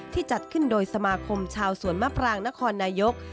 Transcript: จัดขึ้นโดยสมาคมชาวสวนมะปรางนครนายก